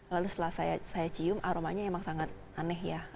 lalu setelah saya cium aromanya emang sangat aneh ya